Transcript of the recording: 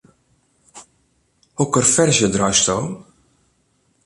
Hokker ferzje draaisto?